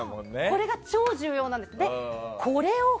これが超重要なんです。